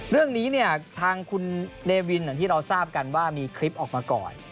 เรื่องนี้เนี่ยทางคุณเนวินที่เราทราบกันว่ามีคลิปออกมาก่อน